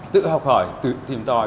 tự học hỏi tự tìm tòi